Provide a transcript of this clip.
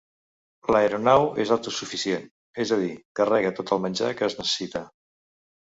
L'aeronau és autosuficient; és a dir, carrega tot el menjar que es necessita.